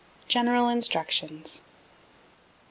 GENERAL INSTRUCTIONS. 1.